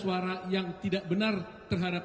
suara yang tidak benar terhadap